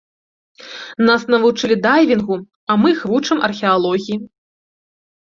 Нас навучылі дайвінгу, а мы іх вучым археалогіі.